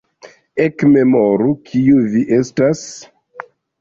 ekmemoru, kiu vi estas!